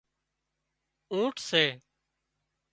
اُونٽ سي